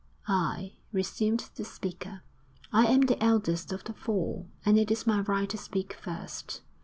'I,' resumed the speaker 'I am the eldest of the four, and it is my right to speak first.'